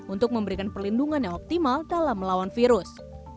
untuk memberikan perlindungan yang optimal dalam melawan virus